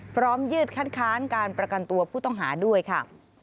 ยืดคัดค้านการประกันตัวผู้ต้องหาด้วยค่ะ